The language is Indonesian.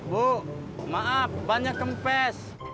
bu maaf banyak kempes